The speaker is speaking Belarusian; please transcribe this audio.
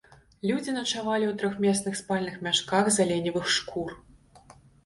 Людзі начавалі ў трохмесных спальных мяшках з аленевых шкур.